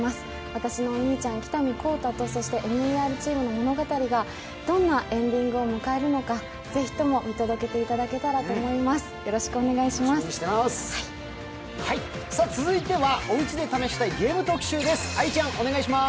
私のお兄ちゃん、喜多見幸太と、そしてＭＥＲチームの物語がどんなエンディングを迎えるのか、ぜひとも見届けていただけたらと思います、よろしくお願いします。